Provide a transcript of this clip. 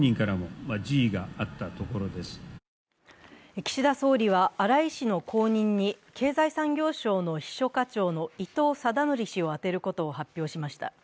岸田総理は荒井氏の後任に経済産業省の秘書課長の伊藤禎則氏を充てることを発表しました。